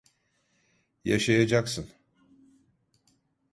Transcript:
Yaşayacaksın.